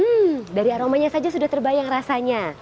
hmm dari aromanya saja sudah terbayang rasanya